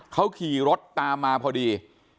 เขาขี่รถตามมาพอดี